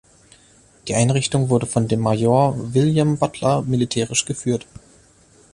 Die Einrichtung wurde von dem Major William Butler militärisch geführt.